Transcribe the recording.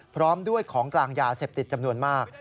พร้อมด้วยของกลางยาเสพติดจำนวนมาก